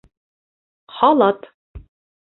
Халат.